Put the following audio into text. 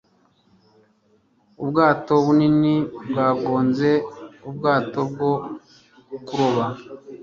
Ubwato bunini bwagonze ubwato bwo kuroba.